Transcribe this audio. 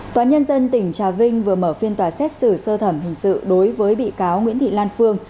tòa nhân dân tỉnh trà vinh vừa mở phiên tòa xét xử sơ thẩm hình sự đối với bị cáo nguyễn thị lan phương